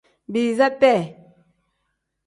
Biiza tee.